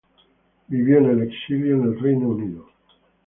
Vivió en el exilio en el Reino Unido.